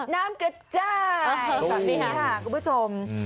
น้ำกระจายคุณผู้ชม